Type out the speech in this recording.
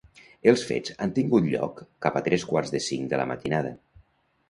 Els fets han tingut lloc cap a tres quarts de cinc de la matinada.